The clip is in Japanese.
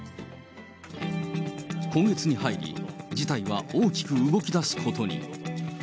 今月に入り、事態は大きく動きだすことに。